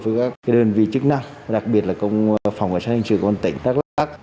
với các đơn vị chức năng đặc biệt là công phòng cảnh sát hành sự của con tỉnh đắk lắc